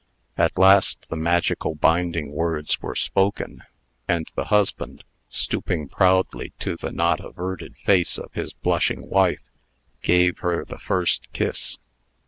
At last the magical, binding words were spoken; and the husband, stooping proudly to the not averted face of his blushing wife, gave her the first kiss.